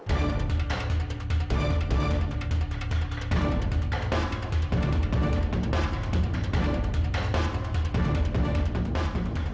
terus isi sebentar pak